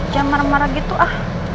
jam marah marah gitu ah